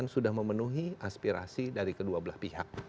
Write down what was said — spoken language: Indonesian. sudah memenuhi aspirasi dari kedua belah pihak